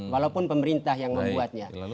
walaupun pemerintah yang membuatnya